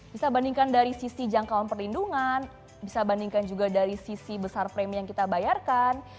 bisa bandingkan dari sisi jangkauan perlindungan bisa bandingkan juga dari sisi besar frami yang kita bayarkan